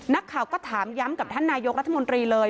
นักข่าวก็ถามย้ำกับท่านนายกรัฐมนตรีเลย